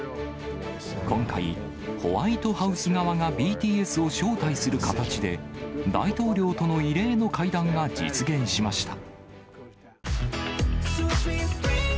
今回、ホワイトハウス側がＢＴＳを招待する形で、大統領との異例の会談が実現しました。